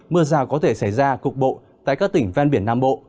mưa rào có thể xảy ra cục bộ tại các tỉnh ven biển nam bộ